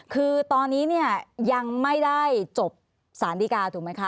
คือตอนนี้เนี่ยยังไม่ได้จบสารดีกาถูกไหมคะ